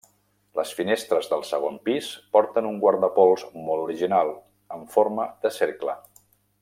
Les finestres del segon pis porten un guardapols molt original, en forma de cercle.